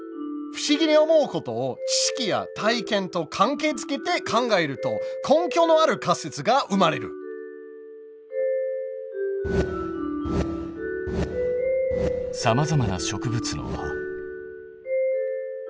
不思議に思うことを知識や体験と関係づけて考えると根拠のある仮説が生まれるさまざまな植物の葉。